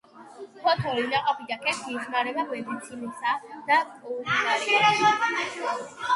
ფოთოლი, ნაყოფი და ქერქი იხმარება მედიცინასა და კულინარიაში.